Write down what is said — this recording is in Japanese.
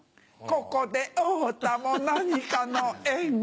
ここで会うたも何かの縁。